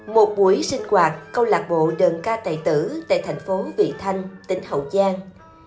một buổi sinh hoạt câu lạc bộ đơn ca tài tử tại thành phố vị thanh tỉnh hậu giang